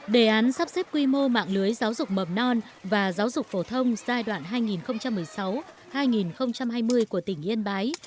đề án sắp xếp quy mô mạng lưới giáo dục mầm non và giáo dục phổ thông giai đoạn hai nghìn một mươi sáu hai nghìn hai mươi của tỉnh yên bái